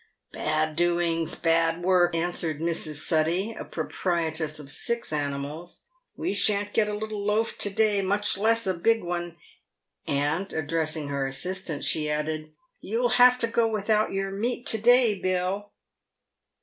" Bad doings ! bad work !" answered Mrs. Suttey, a proprietress of six animals ;" we shan't get a little loaf to day, much less a big one ;" and, addressing her assistant, she added, " you'll have to go without your meat to day, Bill."